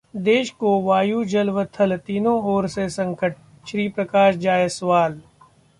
देश को वायु, जल व थल तीनों ओर संकट: श्रीप्रकाश जायसवाल